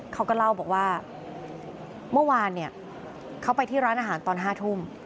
เขาก็เล่าบอกว่าเมื่อวานเนี่ยเขาไปที่ร้านอาหารตอน๕ทุ่ม